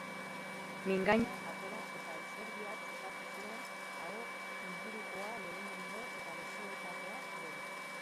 Mingaina atera eta izerdia txupatu zuen, aho ingurukoa lehenengo eta besoetakoa gero.